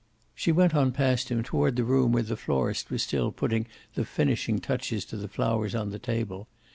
She went on past him, toward the room where the florist was still putting the finishing touches to the flowers on the table.